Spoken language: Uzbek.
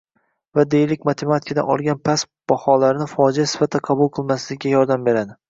va, deylik, matematikadan olgan past baholarini fojea sifatida qabul qilmasligiga yordam beradi.